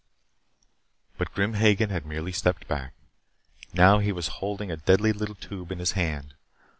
But Grim Hagen had merely stepped back. Now he was holding a deadly little tube in his hand.